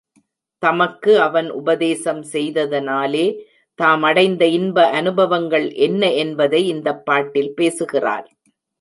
தமக்கு அவன் உபதேசம் செய்ததனாலே தாம் அடைந்த இன்ப அநுபவங்கள் என்ன என்பதை இந்தப் பாட்டில் பேசுகின்றார்.